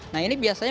nah ini biasanya